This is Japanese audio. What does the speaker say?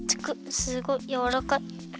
すごいやわらかい。